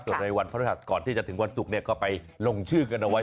ส่วนในวันพระธุรกิจก่อนที่จะถึงวันสุขก็ไปลงชื่อกันเอาไว้